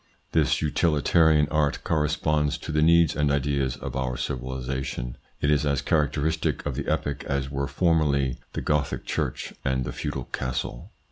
This utilitarian art corresponds to the needs and ideas of our civilisation. It is as characteristic of the epoch as were formerly the Gothic church and the feudal castle.